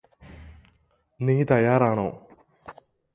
നീ തയ്യാറാണോ